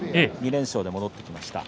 ２連勝で戻ってきました。